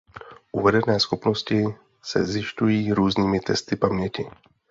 Uvedené schopnosti se zjišťují různými testy paměti.